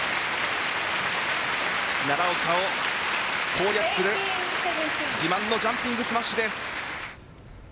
奈良岡を攻略する自慢のジャンピングスマッシュです。